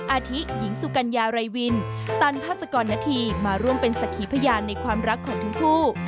อาทิหญิงสุกัญญาไรวินตันพาสกรณฑีมาร่วมเป็นสักขีพยานในความรักของทั้งคู่